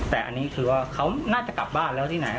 แต่อันนี้คือว่าเขาน่าจะกลับบ้านแล้วที่ไหน